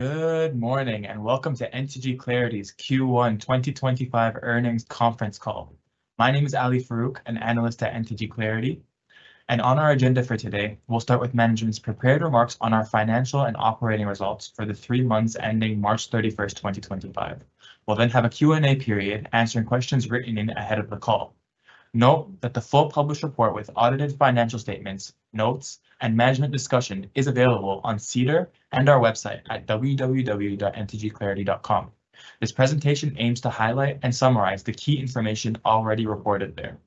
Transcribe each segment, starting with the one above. Good morning, and welcome to NTG Clarity's Q1 2025 Earnings Conference Call. My name is Ali Farouk, an analyst at NTG Clarity. On our agenda for today, we'll start with management's prepared remarks on our financial and operating results for the three months ending March 31, 2025. We'll then have a Q&A period, answering questions written in ahead of the call. Note that the full published report with audited financial statements, notes, and management discussion is available on SEDAR and our website at www.ntgclarity.com. This presentation aims to highlight and summarize the key information already reported there.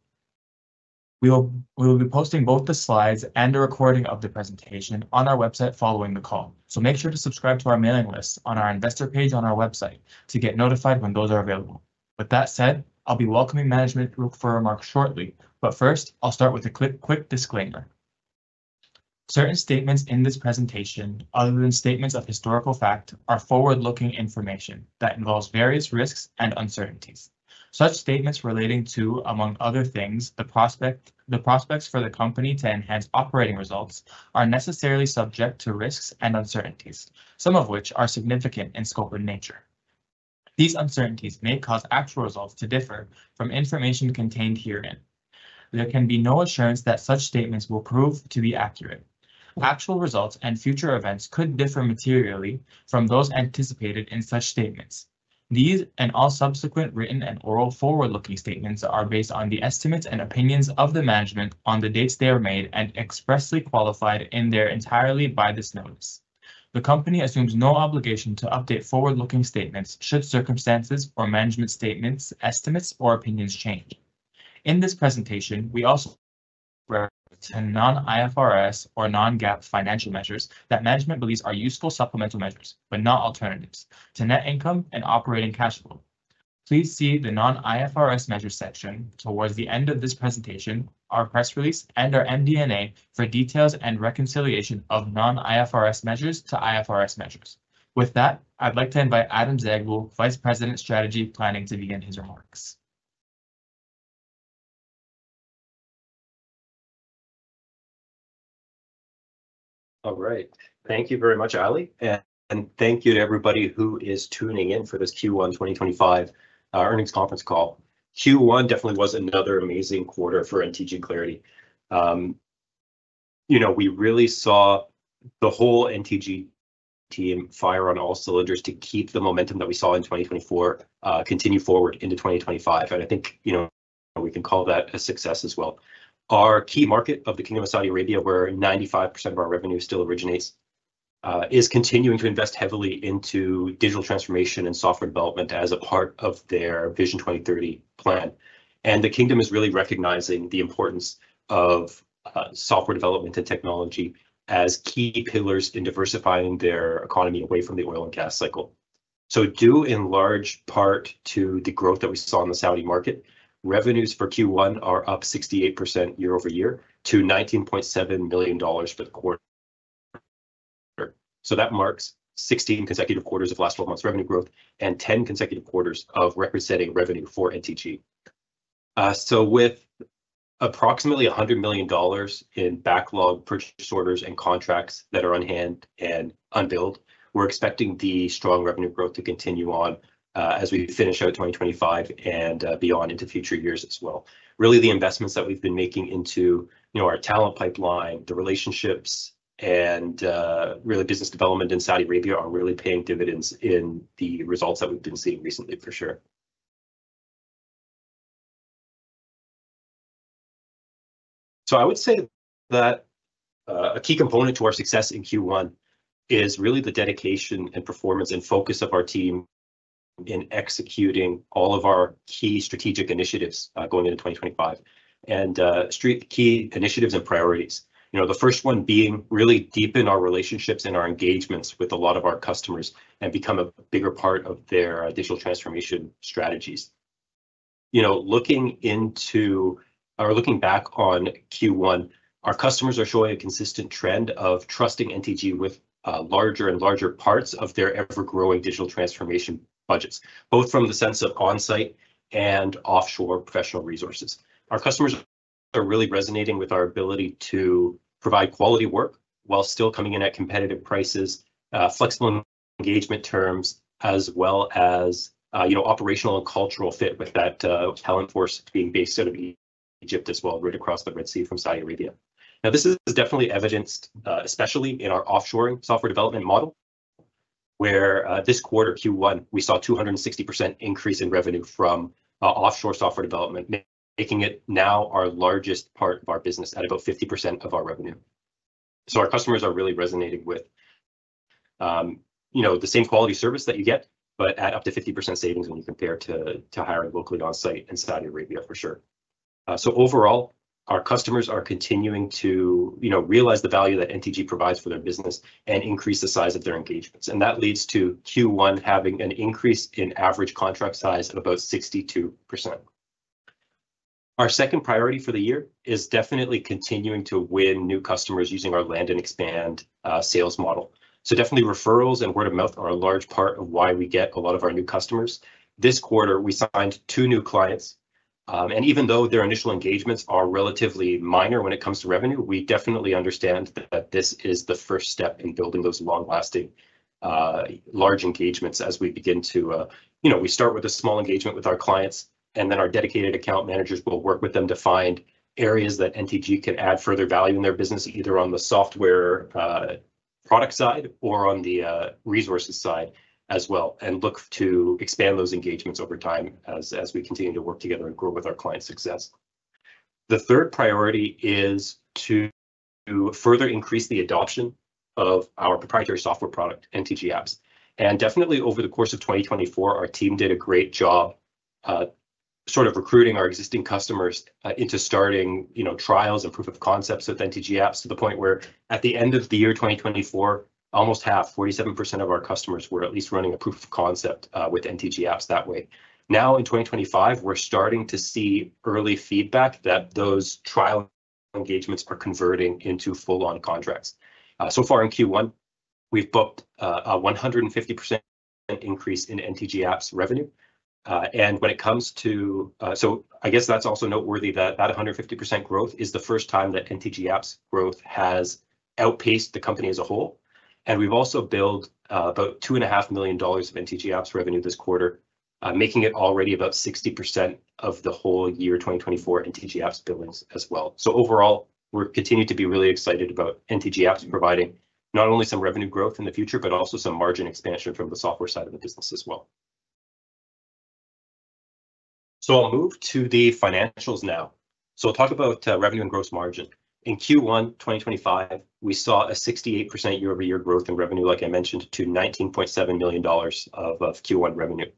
We will be posting both the slides and a recording of the presentation on our website following the call, so make sure to subscribe to our mailing list on our investor page on our website to get notified when those are available. With that said, I'll be welcoming management for remarks shortly, but first, I'll start with a quick disclaimer. Certain statements in this presentation, other than statements of historical fact, are forward-looking information that involves various risks and uncertainties. Such statements relating to, among other things, the prospects for the company to enhance operating results are necessarily subject to risks and uncertainties, some of which are significant in scope and nature. These uncertainties may cause actual results to differ from information contained herein. There can be no assurance that such statements will prove to be accurate. Actual results and future events could differ materially from those anticipated in such statements. These and all subsequent written and oral forward-looking statements are based on the estimates and opinions of the management on the dates they are made and expressly qualified in their entirety by this notice. The company assumes no obligation to update forward-looking statements should circumstances or management statements, estimates, or opinions change. In this presentation, we also refer to non-IFRS or non-GAAP financial measures that management believes are useful supplemental measures, but not alternatives, to net income and operating cash flow. Please see the non-IFRS measures section towards the end of this presentation, our press release, and our MD&A for details and reconciliation of non-IFRS measures to IFRS measures. With that, I'd like to invite Adam Zaghloul, Vice President of Strategy and Planning, to begin his remarks. All right. Thank you very much, Ali. And thank you to everybody who is tuning in for this Q1 2025 Earnings Conference Call. Q1 definitely was another amazing quarter for NTG Clarity. You know, we really saw the whole NTG team fire on all cylinders to keep the momentum that we saw in 2024 continue forward into 2025. And I think, you know, we can call that a success as well. Our key market of the Kingdom of Saudi Arabia, where 95% of our revenue still originates, is continuing to invest heavily into digital transformation and software development as a part of their Vision 2030 plan. And the Kingdom is really recognizing the importance of software development and technology as key pillars in diversifying their economy away from the oil and gas cycle. Due in large part to the growth that we saw in the Saudi market, revenues for Q1 are up 68% year-over-year to $19.7 million for the quarter. That marks 16 consecutive quarters of last 12 months' revenue growth and 10 consecutive quarters of record-setting revenue for NTG. With approximately $100 million in backlog purchase orders and contracts that are on hand and unbilled, we're expecting the strong revenue growth to continue on as we finish out 2025 and beyond into future years as well. Really, the investments that we've been making into, you know, our talent pipeline, the relationships, and really business development in Saudi Arabia are really paying dividends in the results that we've been seeing recently, for sure. I would say that a key component to our success in Q1 is really the dedication and performance and focus of our team in executing all of our key strategic initiatives going into 2025 and key initiatives and priorities. You know, the first one being really deepen our relationships and our engagements with a lot of our customers and become a bigger part of their digital transformation strategies. You know, looking into or looking back on Q1, our customers are showing a consistent trend of trusting NTG with larger and larger parts of their ever-growing digital transformation budgets, both from the sense of on-site and offshore professional resources. Our customers are really resonating with our ability to provide quality work while still coming in at competitive prices, flexible engagement terms, as well as, you know, operational and cultural fit with that talent force being based out of Egypt as well, right across the Red Sea from Saudi Arabia. Now, this is definitely evidenced, especially in our offshore software development model, where this quarter, Q1, we saw a 260% increase in revenue from offshore software development, making it now our largest part of our business at about 50% of our revenue. So our customers are really resonating with, you know, the same quality service that you get, but at up to 50% savings when you compare to hiring locally on-site in Saudi Arabia, for sure. Overall, our customers are continuing to, you know, realize the value that NTG provides for their business and increase the size of their engagements. That leads to Q1 having an increase in average contract size of about 62%. Our second priority for the year is definitely continuing to win new customers using our land and expand sales model. Definitely, referrals and word of mouth are a large part of why we get a lot of our new customers. This quarter, we signed two new clients. Even though their initial engagements are relatively minor when it comes to revenue, we definitely understand that this is the first step in building those long-lasting, large engagements as we begin to, you know, we start with a small engagement with our clients, and then our dedicated account managers will work with them to find areas that NTG can add further value in their business, either on the software product side or on the resources side as well, and look to expand those engagements over time as we continue to work together and grow with our client success. The third priority is to further increase the adoption of our proprietary software product, NTG Apps. Definitely, over the course of 2024, our team did a great job sort of recruiting our existing customers into starting, you know, trials and proof of concepts with NTG Apps to the point where at the end of the year 2024, almost half, 47% of our customers were at least running a proof of concept with NTG Apps that way. Now, in 2025, we're starting to see early feedback that those trial engagements are converting into full-on contracts. So far, in Q1, we've booked a 150% increase in NTG Apps revenue. I guess that's also noteworthy that that 150% growth is the first time that NTG Apps growth has outpaced the company as a whole. We've also billed about 2.5 million dollars of NTG Apps revenue this quarter, making it already about 60% of the whole year 2024 NTG Apps billings as well. So overall, we're continuing to be really excited about NTG Apps providing not only some revenue growth in the future, but also some margin expansion from the software side of the business as well. I'll move to the financials now. I'll talk about revenue and gross margin. In Q1 2025, we saw a 68% year-over-year growth in revenue, like I mentioned, to 19.7 million dollars of Q1 revenue.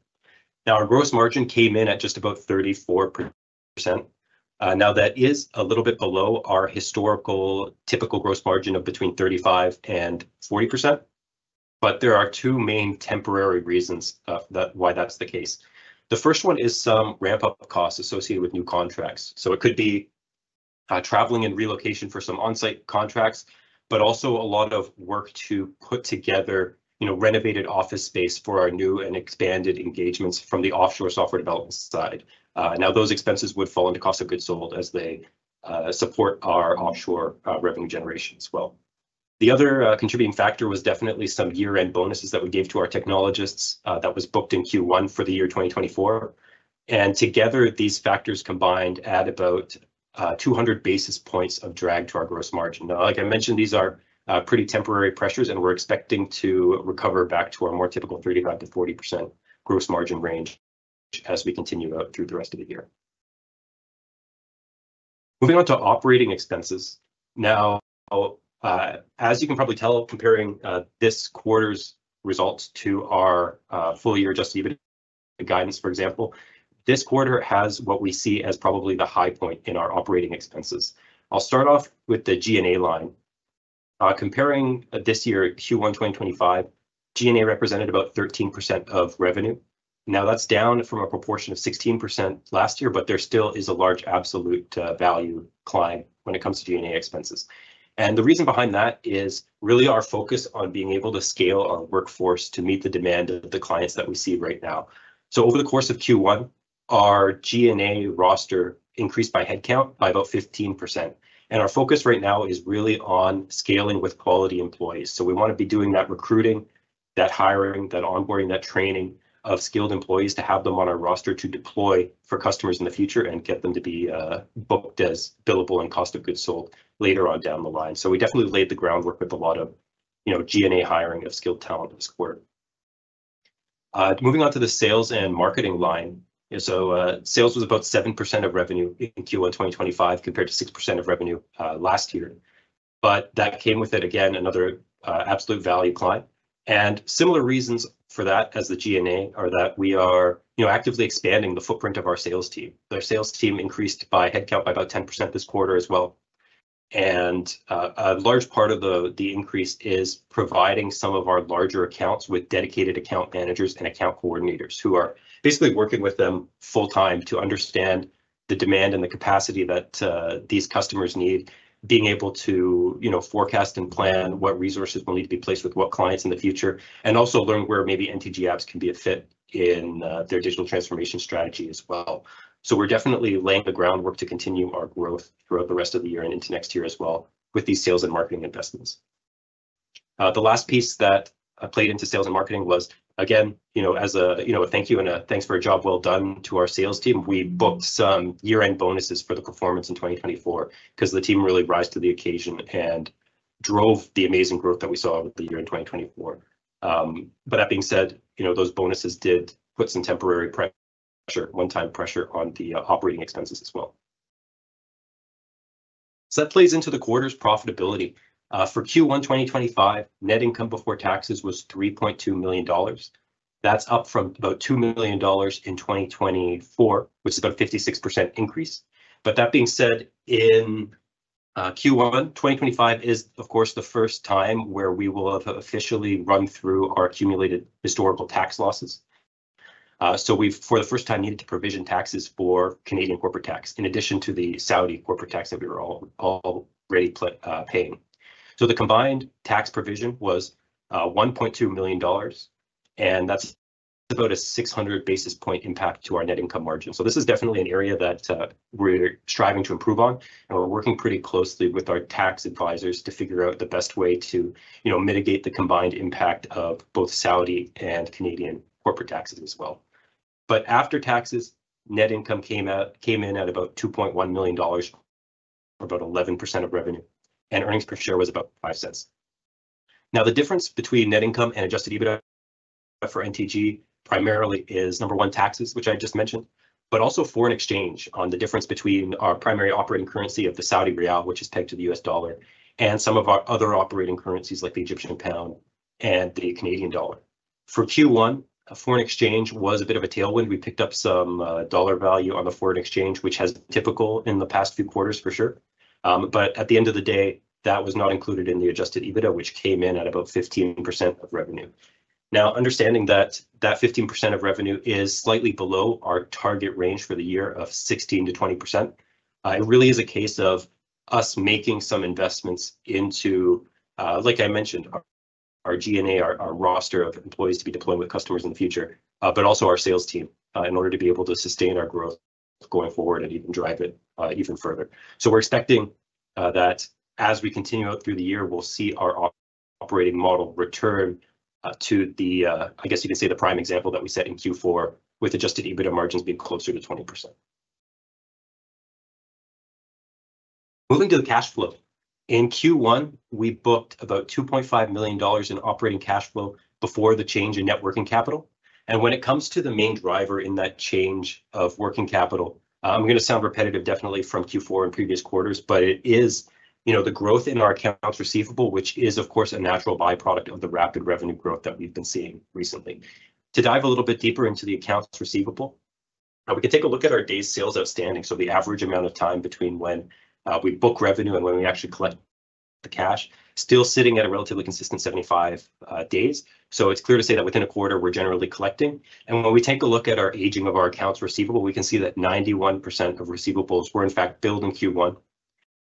Our gross margin came in at just about 34%. That is a little bit below our historical typical gross margin of between 35%-40%. There are two main temporary reasons why that's the case. The first one is some ramp-up costs associated with new contracts. It could be traveling and relocation for some on-site contracts, but also a lot of work to put together, you know, renovated office space for our new and expanded engagements from the offshore software development side. Now, those expenses would fall into cost of goods sold as they support our offshore revenue generation as well. The other contributing factor was definitely some year-end bonuses that we gave to our technologists that was booked in Q1 for the year 2024. Together, these factors combined add about 200 basis points of drag to our gross margin. Like I mentioned, these are pretty temporary pressures, and we're expecting to recover back to our more typical 35%-40% gross margin range as we continue out through the rest of the year. Moving on to operating expenses. Now, as you can probably tell, comparing this quarter's results to our full-year adjusted EBITDA guidance, for example, this quarter has what we see as probably the high point in our operating expenses. I'll start off with the G&A line. Comparing this year, Q1 2025, G&A represented about 13% of revenue. Now, that's down from a proportion of 16% last year, but there still is a large absolute value climb when it comes to G&A expenses. The reason behind that is really our focus on being able to scale our workforce to meet the demand of the clients that we see right now. Over the course of Q1, our G&A roster increased by headcount by about 15%. Our focus right now is really on scaling with quality employees. We want to be doing that recruiting, that hiring, that onboarding, that training of skilled employees to have them on our roster to deploy for customers in the future and get them to be booked as billable and cost of goods sold later on down the line. We definitely laid the groundwork with a lot of, you know, G&A hiring of skilled talent this quarter. Moving on to the sales and marketing line. Sales was about 7% of revenue in Q1 2025 compared to 6% of revenue last year. That came with, again, another absolute value climb. Similar reasons for that as the G&A are that we are, you know, actively expanding the footprint of our sales team. Our sales team increased by headcount by about 10% this quarter as well. A large part of the increase is providing some of our larger accounts with dedicated account managers and account coordinators who are basically working with them full-time to understand the demand and the capacity that these customers need, being able to, you know, forecast and plan what resources will need to be placed with what clients in the future, and also learn where maybe NTG Apps can be a fit in their digital transformation strategy as well. We are definitely laying the groundwork to continue our growth throughout the rest of the year and into next year as well with these sales and marketing investments. The last piece that played into sales and marketing was, again, you know, as a, you know, a thank you and a thanks for a job well done to our sales team, we booked some year-end bonuses for the performance in 2024 because the team really rised to the occasion and drove the amazing growth that we saw with the year in 2024. That being said, you know, those bonuses did put some temporary pressure, one-time pressure on the operating expenses as well. That plays into the quarter's profitability. For Q1 2025, net income before taxes was 3.2 million dollars. That's up from about 2 million dollars in 2024, which is about a 56% increase. That being said, in Q1 2025 is, of course, the first time where we will have officially run through our accumulated historical tax losses. We've, for the first time, needed to provision taxes for Canadian corporate tax in addition to the Saudi corporate tax that we were already paying. The combined tax provision was 1.2 million dollars, and that's about a 600 basis point impact to our net income margin. This is definitely an area that we're striving to improve on, and we're working pretty closely with our tax advisors to figure out the best way to, you know, mitigate the combined impact of both Saudi and Canadian corporate taxes as well. After taxes, net income came in at about 2.1 million dollars or about 11% of revenue, and earnings per share was about 0.05. Now, the difference between net income and adjusted EBITDA for NTG primarily is, number one, taxes, which I just mentioned, but also foreign exchange on the difference between our primary operating currency of the Saudi rial, which is pegged to the $1, and some of our other operating currencies like the Egyptian pound and the Canadian dollar. For Q1, foreign exchange was a bit of a tailwind. We picked up some dollar value on the foreign exchange, which has been typical in the past few quarters, for sure. At the end of the day, that was not included in the adjusted EBITDA, which came in at about 15% of revenue. Now, understanding that that 15% of revenue is slightly below our target range for the year of 16%-20%, it really is a case of us making some investments into, like I mentioned, our G&A, our roster of employees to be deploying with customers in the future, but also our sales team in order to be able to sustain our growth going forward and even drive it even further. We are expecting that as we continue out through the year, we will see our operating model return to the, I guess you can say the prime example that we set in Q4 with adjusted EBITDA margins being closer to 20%. Moving to the cash flow. In Q1, we booked about 2.5 million dollars in operating cash flow before the change in net working capital. When it comes to the main driver in that change of working capital, I'm going to sound repetitive, definitely from Q4 and previous quarters, but it is, you know, the growth in our accounts receivable, which is, of course, a natural byproduct of the rapid revenue growth that we've been seeing recently. To dive a little bit deeper into the accounts receivable, we can take a look at our days sales outstanding. The average amount of time between when we book revenue and when we actually collect the cash is still sitting at a relatively consistent 75 days. It is clear to say that within a quarter, we're generally collecting. When we take a look at our aging of our accounts receivable, we can see that 91% of receivables were, in fact, billed in Q1,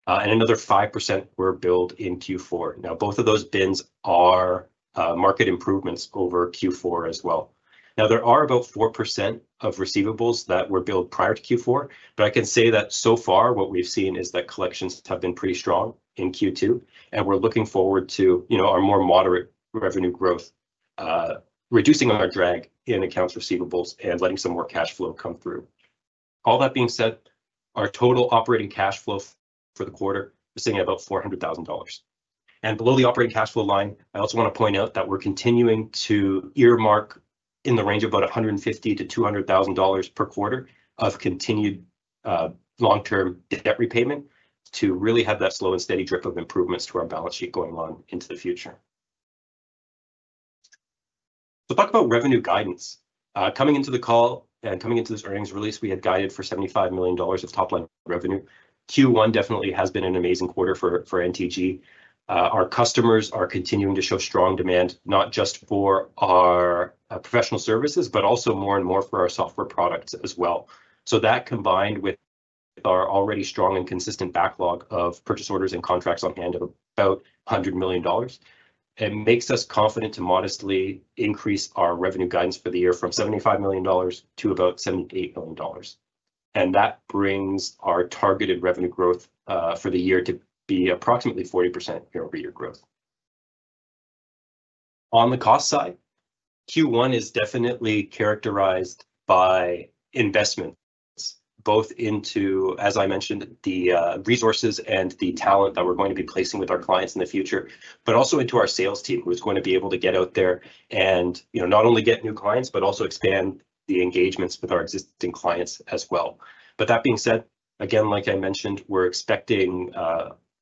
and another 5% were billed in Q4. Now, both of those bins are market improvements over Q4 as well. Now, there are about 4% of receivables that were billed prior to Q4, but I can say that so far what we've seen is that collections have been pretty strong in Q2, and we're looking forward to, you know, our more moderate revenue growth, reducing our drag in accounts receivables and letting some more cash flow come through. All that being said, our total operating cash flow for the quarter was sitting at about 400,000 dollars. Below the operating cash flow line, I also want to point out that we're continuing to earmark in the range of about 150,000-200,000 dollars per quarter of continued long-term debt repayment to really have that slow and steady drip of improvements to our balance sheet going on into the future. So talk about revenue guidance. Coming into the call and coming into this earnings release, we had guided for 75 million dollars of top-line revenue. Q1 definitely has been an amazing quarter for NTG Clarity. Our customers are continuing to show strong demand, not just for our professional services, but also more and more for our software products as well. That, combined with our already strong and consistent backlog of purchase orders and contracts on hand of about 100 million dollars, makes us confident to modestly increase our revenue guidance for the year from 75 million dollars to about 78 million dollars. That brings our targeted revenue growth for the year to be approximately 40% year-over-year growth. On the cost side, Q1 is definitely characterized by investments, both into, as I mentioned, the resources and the talent that we're going to be placing with our clients in the future, but also into our sales team, who is going to be able to get out there and, you know, not only get new clients, but also expand the engagements with our existing clients as well. That being said, again, like I mentioned, we're expecting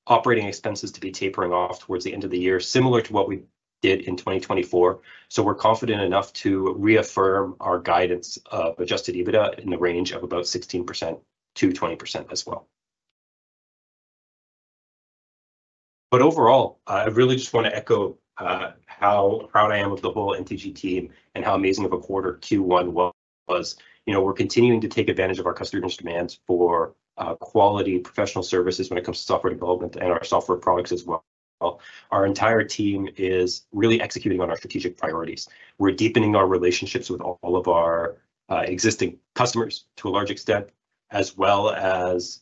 operating expenses to be tapering off towards the end of the year, similar to what we did in 2024. We're confident enough to reaffirm our guidance of adjusted EBITDA in the range of about 16%-20% as well. Overall, I really just want to echo how proud I am of the whole NTG team and how amazing of a quarter Q1 was. You know, we're continuing to take advantage of our customers' demands for quality professional services when it comes to software development and our software products as well. Our entire team is really executing on our strategic priorities. We're deepening our relationships with all of our existing customers to a large extent, as well as,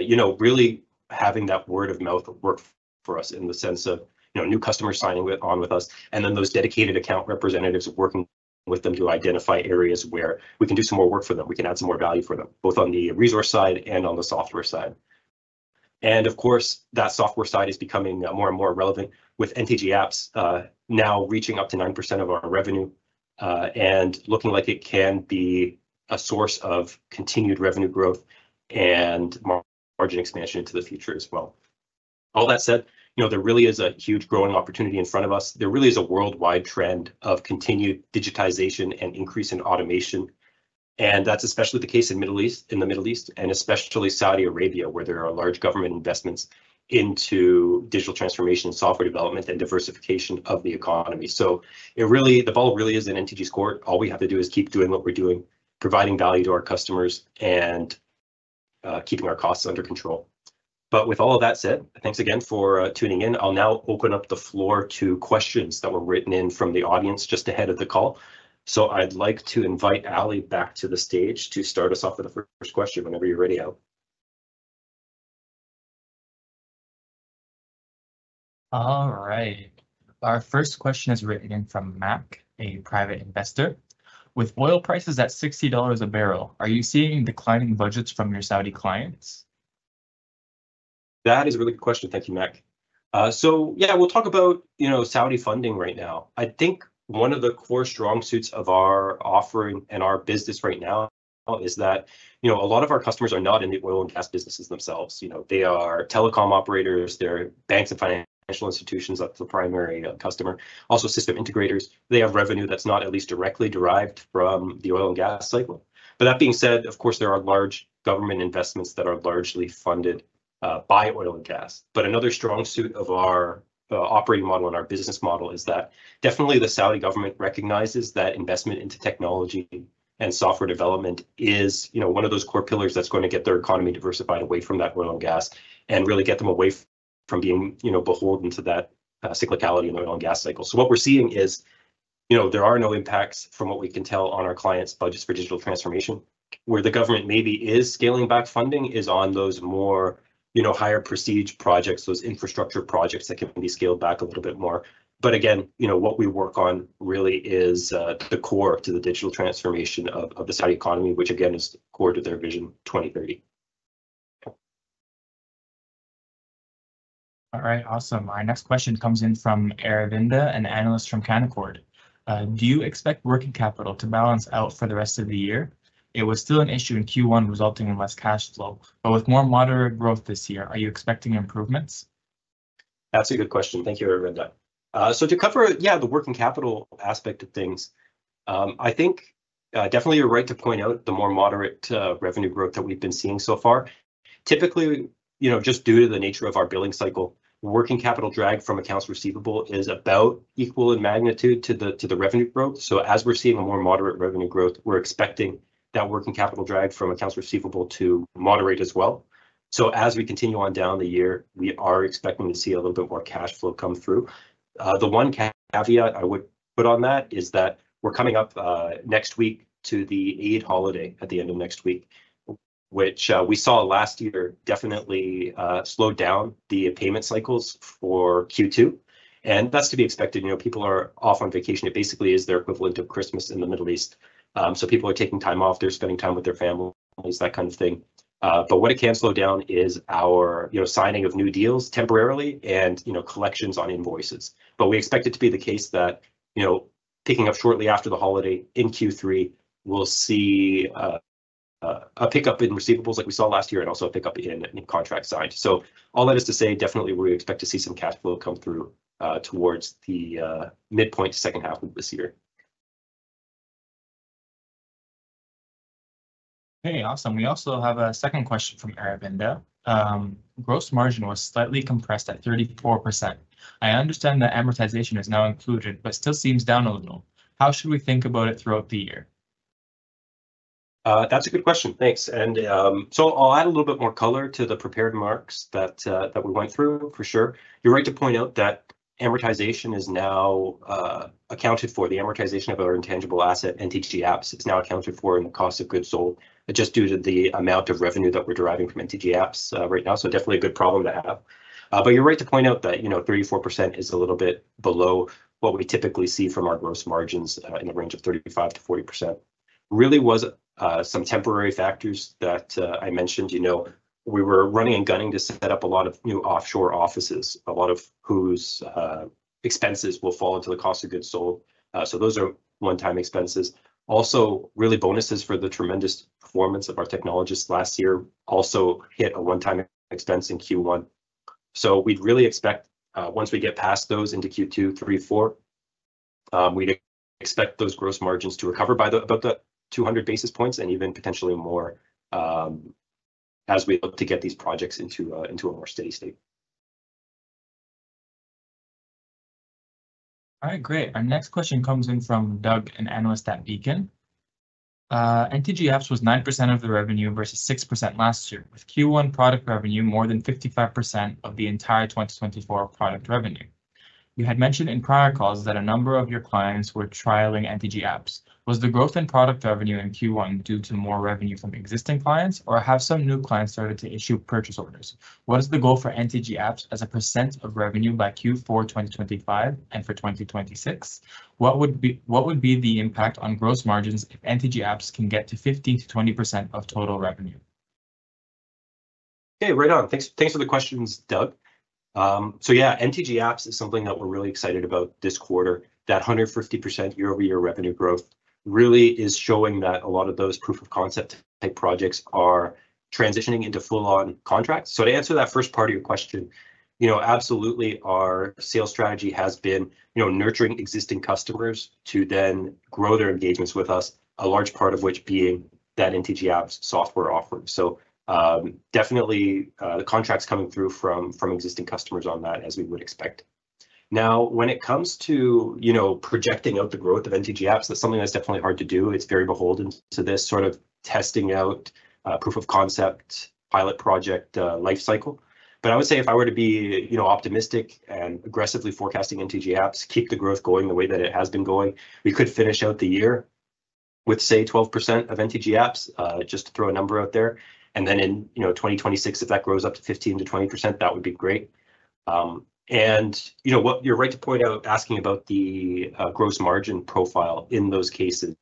you know, really having that word-of-mouth work for us in the sense of, you know, new customers signing on with us, and then those dedicated account representatives working with them to identify areas where we can do some more work for them. We can add some more value for them, both on the resource side and on the software side. Of course, that software side is becoming more and more relevant, with NTG Apps now reaching up to 9% of our revenue and looking like it can be a source of continued revenue growth and margin expansion into the future as well. All that said, you know, there really is a huge growing opportunity in front of us. There really is a worldwide trend of continued digitization and increase in automation. That is especially the case in the Middle East, and especially Saudi Arabia, where there are large government investments into digital transformation, software development, and diversification of the economy. It really, the ball really is in NTG's court. All we have to do is keep doing what we're doing, providing value to our customers, and keeping our costs under control. With all of that said, thanks again for tuning in. I'll now open up the floor to questions that were written in from the audience just ahead of the call. I’d like to invite Ali back to the stage to start us off with the first question whenever you're ready, Ali. All right. Our first question is written in from Mac, a private investor. With oil prices at $60 a barrel, are you seeing declining budgets from your Saudi clients? That is a really good question. Thank you, Mac. Yeah, we'll talk about, you know, Saudi funding right now. I think one of the core strong suits of our offering and our business right now is that, you know, a lot of our customers are not in the oil and gas businesses themselves. You know, they are telecom operators, they're banks and financial institutions, that's the primary customer, also system integrators. They have revenue that's not at least directly derived from the oil and gas cycle. That being said, of course, there are large government investments that are largely funded by oil and gas. Another strong suit of our operating model and our business model is that definitely the Saudi government recognizes that investment into technology and software development is, you know, one of those core pillars that's going to get their economy diversified away from that oil and gas and really get them away from being, you know, beholden to that cyclicality in the oil and gas cycle. What we're seeing is, you know, there are no impacts from what we can tell on our clients' budgets for digital transformation. Where the government maybe is scaling back funding is on those more, you know, higher prestige projects, those infrastructure projects that can be scaled back a little bit more. Again, you know, what we work on really is the core to the digital transformation of the Saudi economy, which again is the core to their Vision 2030. All right. Awesome. Our next question comes in from Aravinda, an analyst from Canaccord. Do you expect working capital to balance out for the rest of the year? It was still an issue in Q1 resulting in less cash flow, but with more moderate growth this year, are you expecting improvements? That's a good question. Thank you, Aravinda. To cover, yeah, the working capital aspect of things, I think definitely you're right to point out the more moderate revenue growth that we've been seeing so far. Typically, you know, just due to the nature of our billing cycle, working capital drag from accounts receivable is about equal in magnitude to the revenue growth. As we're seeing a more moderate revenue growth, we're expecting that working capital drag from accounts receivable to moderate as well. As we continue on down the year, we are expecting to see a little bit more cash flow come through. The one caveat I would put on that is that we're coming up next week to the Eid holiday at the end of next week, which we saw last year definitely slowed down the payment cycles for Q2. That's to be expected. You know, people are off on vacation. It basically is their equivalent of Christmas in the Middle East. People are taking time off. They're spending time with their families, that kind of thing. What it can slow down is our, you know, signing of new deals temporarily and, you know, collections on invoices. We expect it to be the case that, you know, picking up shortly after the holiday in Q3, we will see a pickup in receivables like we saw last year and also a pickup in contracts signed. All that is to say, definitely we expect to see some cash flow come through towards the midpoint to second half of this year. Okay. Awesome. We also have a second question from Aravinda. Gross margin was slightly compressed at 34%. I understand that amortization is now included, but still seems down a little. How should we think about it throughout the year? That is a good question. Thanks. I will add a little bit more color to the prepared marks that we went through, for sure. You're right to point out that amortization is now accounted for. The amortization of our intangible asset, NTG Apps, is now accounted for in the cost of goods sold, just due to the amount of revenue that we're deriving from NTG Apps right now. So definitely a good problem to have. But you're right to point out that, you know, 34% is a little bit below what we typically see from our gross margins in the range of 35%-40%. Really was some temporary factors that I mentioned. You know, we were running and gunning to set up a lot of new offshore offices, a lot of whose expenses will fall into the cost of goods sold. Those are one-time expenses. Also, really bonuses for the tremendous performance of our technologists last year also hit a one-time expense in Q1. We'd really expect once we get past those into Q2, Q3, Q4, we'd expect those gross margins to recover by about 200 basis points and even potentially more as we look to get these projects into a more steady state. All right. Great. Our next question comes in from Doug, an analyst at Beacon. NTG Apps was 9% of the revenue versus 6% last year, with Q1 product revenue more than 55% of the entire 2024 product revenue. You had mentioned in prior calls that a number of your clients were trialing NTG Apps. Was the growth in product revenue in Q1 due to more revenue from existing clients, or have some new clients started to issue purchase orders? What is the goal for NTG Apps as a percent of revenue by Q4 2025 and for 2026? What would be the impact on gross margins if NTG Apps can get to 15%-20% of total revenue? Okay. Right on. Thanks for the questions, Doug. So yeah, NTG Apps is something that we're really excited about this quarter. That 150% year-over-year revenue growth really is showing that a lot of those proof-of-concept type projects are transitioning into full-on contracts. To answer that first part of your question, you know, absolutely our sales strategy has been, you know, nurturing existing customers to then grow their engagements with us, a large part of which being that NTG Apps software offering. Definitely the contracts coming through from existing customers on that, as we would expect. Now, when it comes to, you know, projecting out the growth of NTG Apps, that's something that's definitely hard to do. It's very beholden to this sort of testing out proof-of-concept pilot project lifecycle. I would say if I were to be, you know, optimistic and aggressively forecasting NTG Apps, keep the growth going the way that it has been going, we could finish out the year with, say, 12% of NTG Apps, just to throw a number out there. In, you know, 2026, if that grows up to 15%-20%, that would be great. You know, what you're right to point out asking about the gross margin profile in those cases,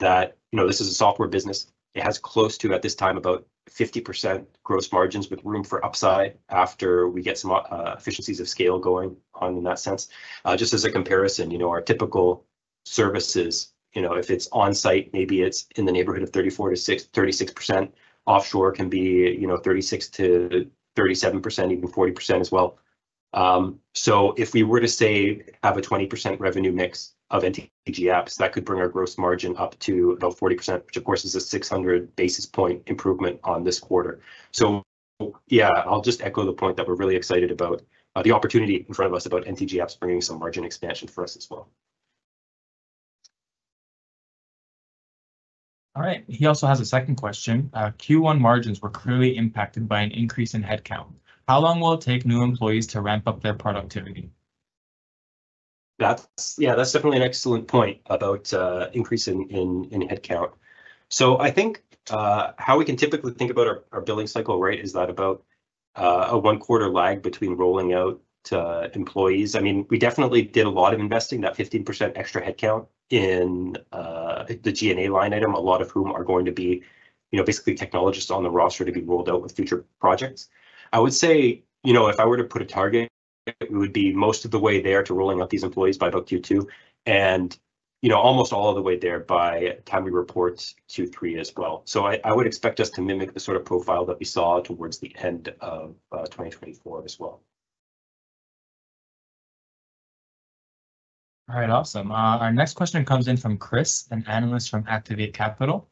that, you know, this is a software business. It has close to, at this time, about 50% gross margins with room for upside after we get some efficiencies of scale going on in that sense. Just as a comparison, you know, our typical services, you know, if it's on-site, maybe it's in the neighborhood of 34%-36%. Offshore can be, you know, 36%-37%, even 40% as well. If we were to say have a 20% revenue mix of NTG Apps, that could bring our gross margin up to about 40%, which, of course, is a 600 basis points improvement on this quarter. Yeah, I'll just echo the point that we're really excited about the opportunity in front of us about NTG Apps bringing some margin expansion for us as well. All right. He also has a second question. Q1 margins were clearly impacted by an increase in headcount. How long will it take new employees to ramp up their productivity? That's, yeah, that's definitely an excellent point about increasing in headcount. I think how we can typically think about our billing cycle, right, is that about a one-quarter lag between rolling out to employees. I mean, we definitely did a lot of investing, that 15% extra headcount in the G&A line item, a lot of whom are going to be, you know, basically technologists on the roster to be rolled out with future projects. I would say, you know, if I were to put a target, we would be most of the way there to rolling out these employees by about Q2 and, you know, almost all of the way there by time we report Q3 as well. I would expect us to mimic the sort of profile that we saw towards the end of 2024 as well. All right. Awesome. Our next question comes in from Chris, an analyst from Activate Capital.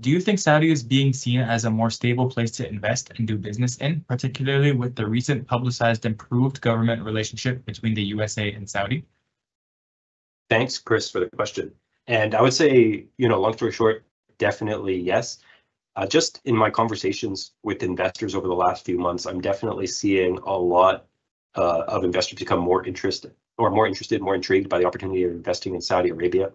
Do you think Saudi is being seen as a more stable place to invest and do business in, particularly with the recent publicized improved government relationship between the U.S.A. and Saudi? Thanks, Chris, for the question. I would say, you know, long story short, definitely yes. Just in my conversations with investors over the last few months, I'm definitely seeing a lot of investors become more interested, or more interested, more intrigued by the opportunity of investing in Saudi Arabia.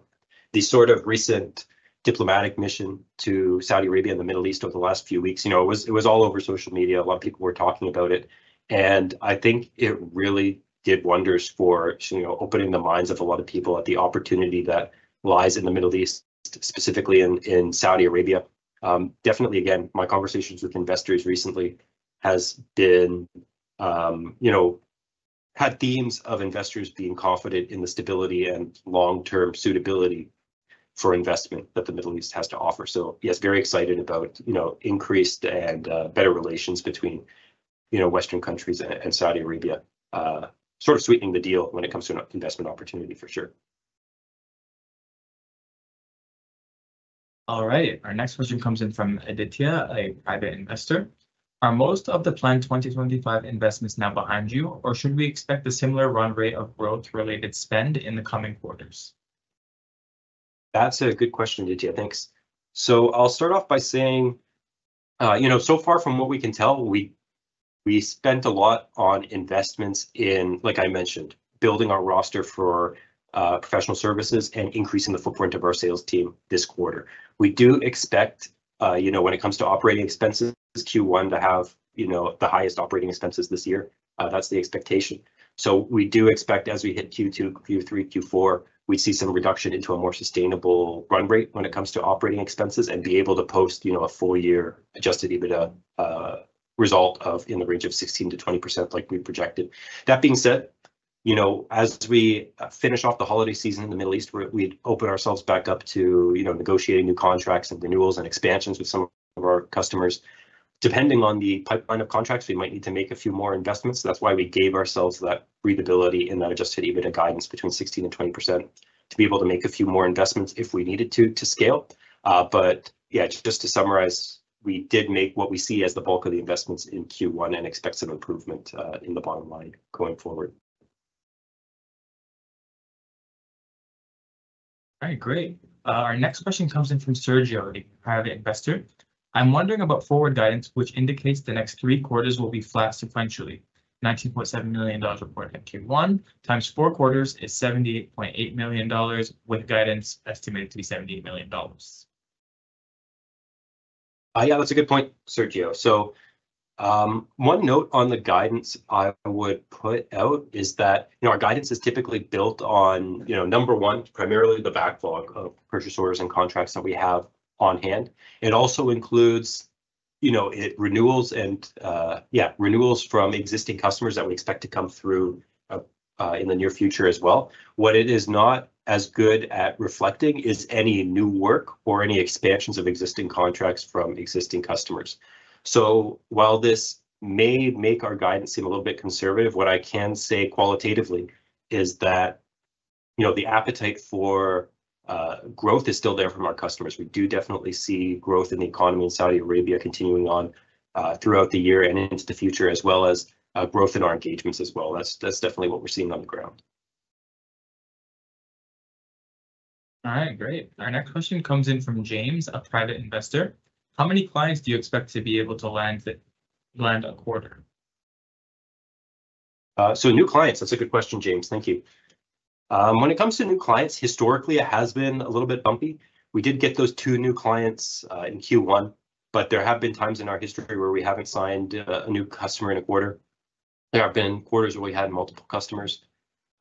The sort of recent diplomatic mission to Saudi Arabia in the Middle East over the last few weeks, you know, it was all over social media. A lot of people were talking about it. I think it really did wonders for, you know, opening the minds of a lot of people at the opportunity that lies in the Middle East, specifically in Saudi Arabia. Definitely, again, my conversations with investors recently have been, you know, had themes of investors being confident in the stability and long-term suitability for investment that the Middle East has to offer. Yes, very excited about, you know, increased and better relations between, you know, Western countries and Saudi Arabia, sort of sweetening the deal when it comes to an investment opportunity for sure. All right. Our next question comes in from Aditya, a private investor. Are most of the planned 2025 investments now behind you, or should we expect a similar run rate of growth-related spend in the coming quarters? That's a good question, Aditya. Thanks. I'll start off by saying, you know, so far from what we can tell, we spent a lot on investments in, like I mentioned, building our roster for professional services and increasing the footprint of our sales team this quarter. We do expect, you know, when it comes to operating expenses Q1 to have, you know, the highest operating expenses this year. That's the expectation. We do expect as we hit Q2, Q3, Q4, we see some reduction into a more sustainable run rate when it comes to operating expenses and be able to post, you know, a full-year adjusted EBITDA result of in the range of 16%-20% like we projected. That being said, you know, as we finish off the holiday season in the Middle East, we'd open ourselves back up to, you know, negotiating new contracts and renewals and expansions with some of our customers. Depending on the pipeline of contracts, we might need to make a few more investments. That's why we gave ourselves that breathability in that adjusted EBITDA guidance between 16%-20% to be able to make a few more investments if we needed to to scale. But yeah, just to summarize, we did make what we see as the bulk of the investments in Q1 and expect some improvement in the bottom line going forward. All right. Great. Our next question comes in from Sergio, Private Investor. I'm wondering about forward guidance, which indicates the next three quarters will be flat sequentially. $19.7 million reported at Q1 times four quarters is $78.8 million with guidance estimated to be $78 million. Yeah, that's a good point, Sergio. So one note on the guidance I would put out is that, you know, our guidance is typically built on, you know, number one, primarily the backlog of purchase orders and contracts that we have on hand. It also includes, you know, renewals and, yeah, renewals from existing customers that we expect to come through in the near future as well. What it is not as good at reflecting is any new work or any expansions of existing contracts from existing customers. So while this may make our guidance seem a little bit conservative, what I can say qualitatively is that, you know, the appetite for growth is still there from our customers. We do definitely see growth in the economy in Saudi Arabia continuing on throughout the year and into the future, as well as growth in our engagements as well. That's definitely what we're seeing on the ground. All right. Great. Our next question comes in from James, a private investor. How many clients do you expect to be able to land a quarter? So new clients, that's a good question, James. Thank you. When it comes to new clients, historically, it has been a little bit bumpy. We did get those two new clients in Q1, but there have been times in our history where we have not signed a new customer in a quarter. There have been quarters where we had multiple customers.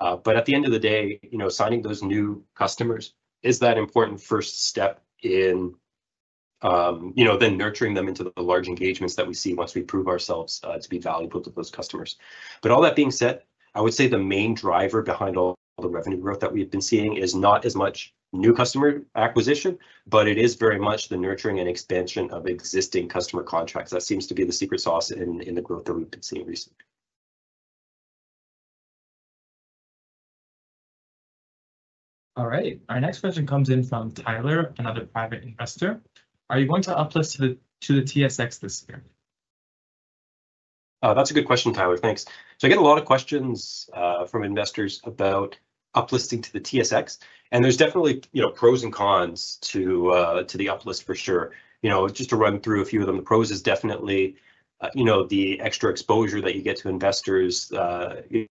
At the end of the day, you know, signing those new customers is that important first step in, you know, then nurturing them into the large engagements that we see once we prove ourselves to be valuable to those customers. All that being said, I would say the main driver behind all the revenue growth that we have been seeing is not as much new customer acquisition, but it is very much the nurturing and expansion of existing customer contracts. That seems to be the secret sauce in the growth that we have been seeing recently. All right. Our next question comes in from Tyler, another private investor. Are you going to uplist to the TSX this year? That's a good question, Tyler. Thanks. I get a lot of questions from investors about uplisting to the TSX. There's definitely, you know, pros and cons to the uplist for sure. Just to run through a few of them, the pros is definitely, you know, the extra exposure that you get to investors, you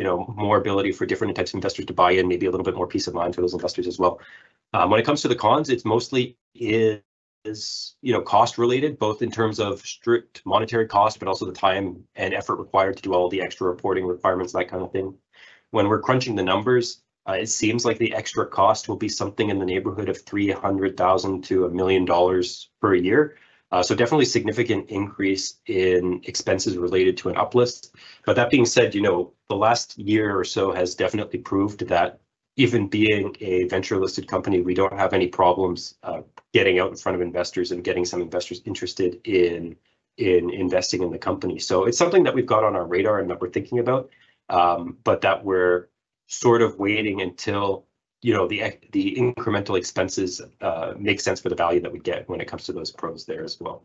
know, more ability for different types of investors to buy in, maybe a little bit more peace of mind for those investors as well. When it comes to the cons, it mostly is, you know, cost-related, both in terms of strict monetary cost, but also the time and effort required to do all the extra reporting requirements, that kind of thing. When we're crunching the numbers, it seems like the extra cost will be something in the neighborhood of 300,000-1 million dollars per year. So definitely significant increase in expenses related to an uplist. That being said, you know, the last year or so has definitely proved that even being a venture-listed company, we don't have any problems getting out in front of investors and getting some investors interested in investing in the company. It's something that we've got on our radar and that we're thinking about, but that we're sort of waiting until, you know, the incremental expenses make sense for the value that we get when it comes to those pros there as well.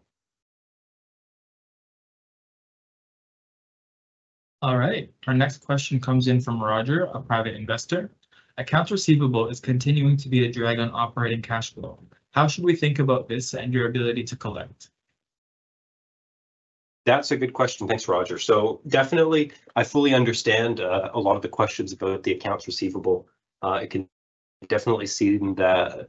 All right. Our next question comes in from Roger, a private investor. Accounts receivable is continuing to be a drag on operating cash flow. How should we think about this and your ability to collect? That's a good question. Thanks, Roger. I fully understand a lot of the questions about the accounts receivable. It can definitely seem that,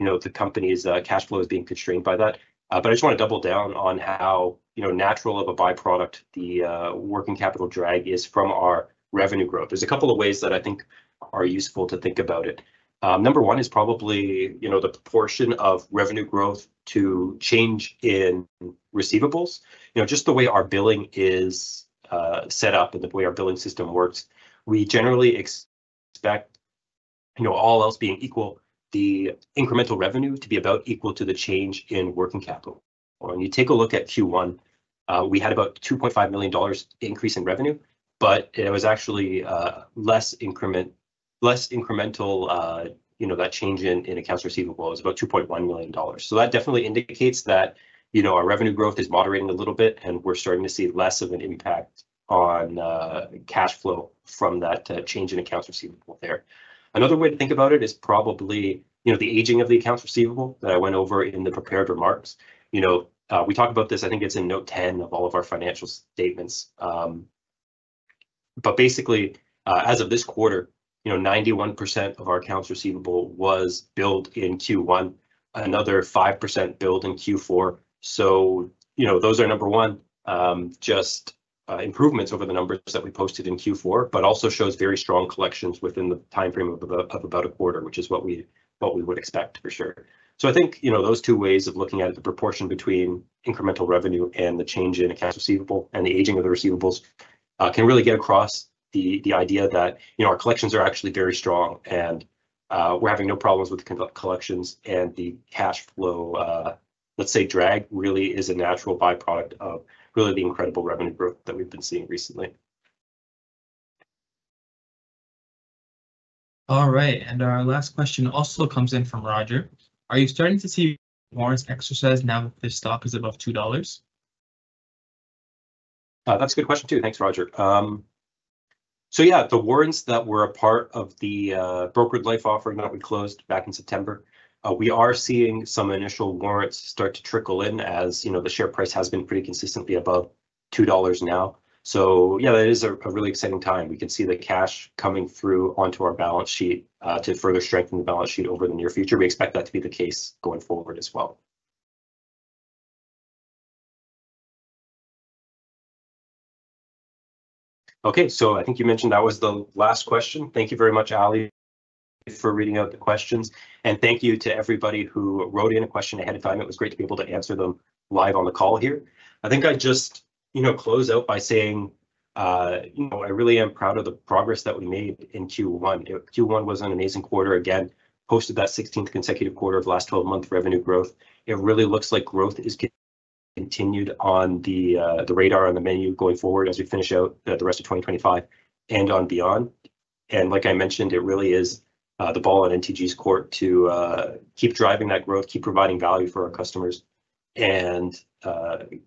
you know, the company's cash flow is being constrained by that. I just want to double down on how, you know, natural of a byproduct the working capital drag is from our revenue growth. There are a couple of ways that I think are useful to think about it. Number one is probably, you know, the proportion of revenue growth to change in receivables. You know, just the way our billing is set up and the way our billing system works, we generally expect, you know, all else being equal, the incremental revenue to be about equal to the change in working capital. When you take a look at Q1, we had about 2.5 million dollars increase in revenue, but it was actually less incremental, you know, that change in accounts receivable was about 2.1 million dollars. That definitely indicates that, you know, our revenue growth is moderating a little bit, and we're starting to see less of an impact on cash flow from that change in accounts receivable there. Another way to think about it is probably, you know, the aging of the accounts receivable that I went over in the prepared remarks. You know, we talk about this, I think it's in note 10 of all of our financial statements. Basically, as of this quarter, 91% of our accounts receivable was billed in Q1, another 5% billed in Q4. You know, those are number one, just improvements over the numbers that we posted in Q4, but also shows very strong collections within the timeframe of about a quarter, which is what we would expect for sure. I think, you know, those two ways of looking at it, the proportion between incremental revenue and the change in accounts receivable and the aging of the receivables can really get across the idea that, you know, our collections are actually very strong and we're having no problems with collections and the cash flow, let's say, drag really is a natural byproduct of really the incredible revenue growth that we've been seeing recently. All right. Our last question also comes in from Roger. Are you starting to see warrants exercised now that the stock is above $2? That's a good question too. Thanks, Roger. Yeah, the warrants that were a part of the brokered life offering that we closed back in September, we are seeing some initial warrants start to trickle in as, you know, the share price has been pretty consistently above $2 now. That is a really exciting time. We can see the cash coming through onto our balance sheet to further strengthen the balance sheet over the near future. We expect that to be the case going forward as well. I think you mentioned that was the last question. Thank you very much, Ali, for reading out the questions. And thank you to everybody who wrote in a question ahead of time. It was great to be able to answer them live on the call here. I think I just, you know, close out by saying, you know, I really am proud of the progress that we made in Q1. Q1 was an amazing quarter. Again, posted that 16th consecutive quarter of last 12-month revenue growth. It really looks like growth is continued on the radar, on the menu going forward as we finish out the rest of 2025 and on beyond. Like I mentioned, it really is the ball in NTG's court to keep driving that growth, keep providing value for our customers, and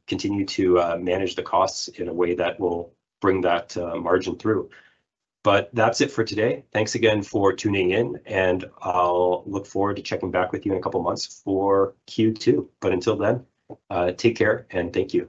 continue to manage the costs in a way that will bring that margin through. That's it for today. Thanks again for tuning in, and I'll look forward to checking back with you in a couple of months for Q2. Until then, take care and thank you.